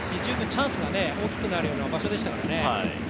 チャンスが大きくなるような場所でしたからね。